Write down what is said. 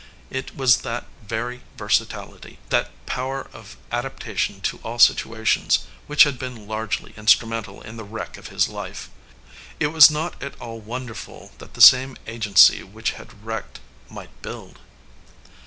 It was that very versatility, that power of adaptation to all situations, which had been largely instrumental in the wreck of his life. It was not at all wonderful that the same agency which had wrecked might build.